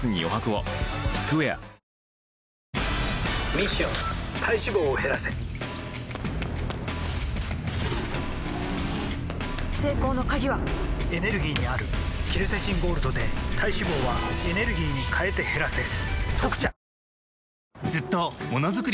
ミッション体脂肪を減らせ成功の鍵はエネルギーにあるケルセチンゴールドで体脂肪はエネルギーに変えて減らせ「特茶」